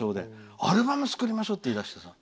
アルバムを作りましょうと言いだしてさ。